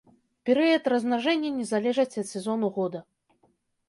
Перыяд размнажэння не залежыць ад сезону года.